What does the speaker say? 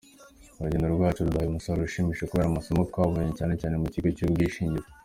Urugendo rwacu ruduhaye umusaruro ushimishije kubera amasomo twabonye, cyane cyane mu kigo cy’ubwishingizi.